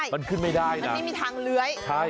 มันขึ้นไม่ได้นะมันไม่มีทางเลื้อย